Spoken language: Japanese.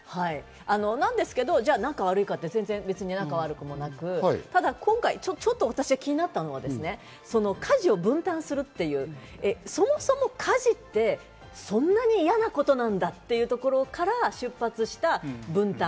なんですけど、じゃあ、仲が悪いかって言ったら全然、別に仲が悪くもなく、今回、私がちょっと気になったのは家事を分担するっていう、そもそも家事ってそんなに嫌なことなんだっていうところから出発した分担。